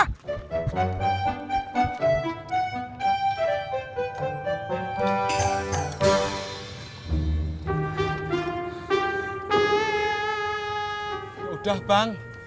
ya udah bang